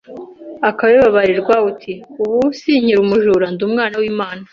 akabibabarirwa, ati “Ubu sinkiri umujura, ndi umwana w’Imana,